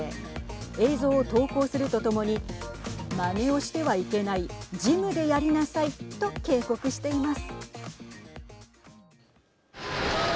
映像を投稿するとともにまねをしてはいけないジムでやりなさいと警告しています。